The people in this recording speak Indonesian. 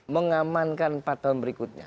mengamankan partai berikutnya